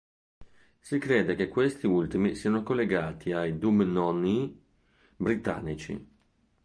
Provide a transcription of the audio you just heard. Si crede che questi ultimi siano collegati ai Dumnonii britannici.